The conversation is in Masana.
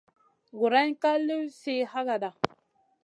Guroyna ka liw sih hagada.